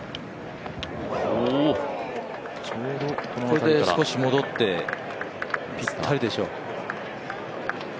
これで少し戻ってぴったりでしょう。